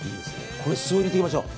これに酢を入れていきましょう。